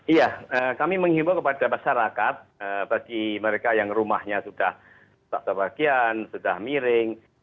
iya kami menghimbau kepada masyarakat bagi mereka yang rumahnya sudah tak sebagian sudah miring